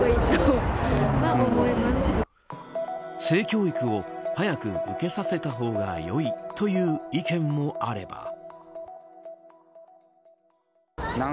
性教育を早く受けさせたほうが良いという意見もあれば。